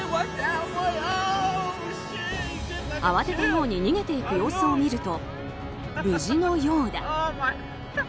慌てたように逃げていく様子を見ると無事のようだ。